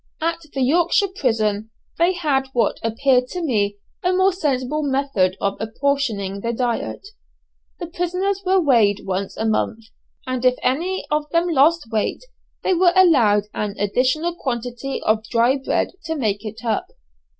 At the Yorkshire prison they had what appeared to me a more sensible method of apportioning the diet. The prisoners were weighed once a month, and if any of them lost weight they were allowed an additional quantity of dry bread to make it up.